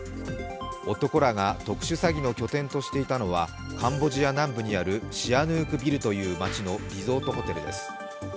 男らが特殊詐欺の拠点としていたのは、カンボジア南部にあるシアヌークビルという街のリゾートホテルです。